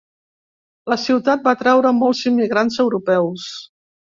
La ciutat va atraure molts immigrants europeus.